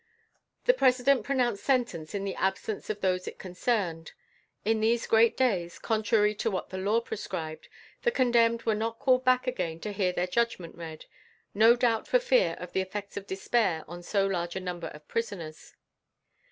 The President pronounced sentence in the absence of those it concerned. In these great days, contrary to what the law prescribed, the condemned were not called back again to hear their judgment read, no doubt for fear of the effects of despair on so large a number of prisoners.